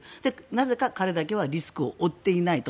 なぜか彼だけはリスクを負っていないと。